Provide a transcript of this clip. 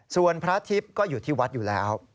ส่วนพระทิพย์ก็อยู่ที่วัดอยู่แล้ว